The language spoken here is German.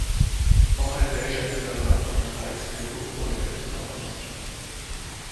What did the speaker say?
Auch ein welscher Ritter war von den Reizen der Burgfräulein bezaubert.